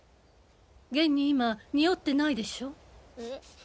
現に今臭ってないでしょ？